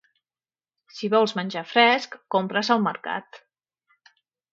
Si vols menjar fresc, compres al mercat.